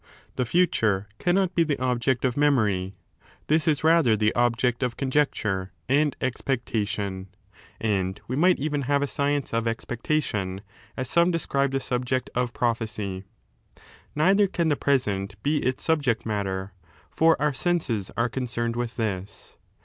The future cannot be the object of memory; this is rather the object of conjecture and expectation (and we might even have a science of expectation, as some describe the subject of prophecy). Neither can the present be its subject matter, for our senses are concerned with this.